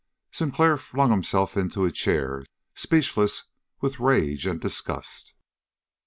Sinclair flung himself into a chair, speechless with rage and disgust.